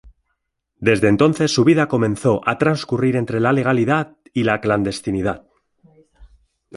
Desde entonces su vida comenzó a transcurrir entre la legalidad y la clandestinidad.